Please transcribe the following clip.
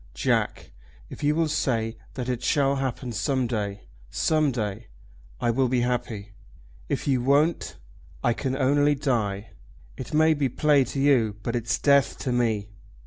Jack, if you will say that it shall happen some day, some day, I will be happy. If you won't, I can only die. It may be play to you, but it's death to me."